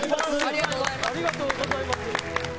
ありがとうございます。